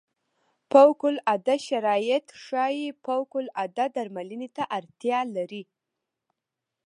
فوق العاده شرایط ښايي فوق العاده درملنې ته اړتیا لري.